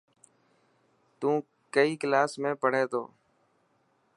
تون ڪئي ڪلاس ۾ پڙهي ٿو.